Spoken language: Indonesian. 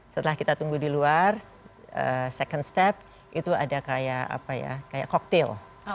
setelah kita tunggu di luar second step itu ada kayak apa ya kayak koktil